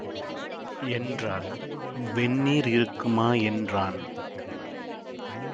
என்றாள். "வெந்நீர் இருக்குமா" என்றான்.